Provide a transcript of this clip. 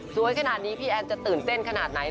ขนาดนี้พี่แอนจะตื่นเต้นขนาดไหน